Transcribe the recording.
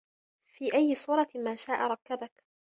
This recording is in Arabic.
في أَيِّ صورَةٍ ما شاءَ رَكَّبَكَ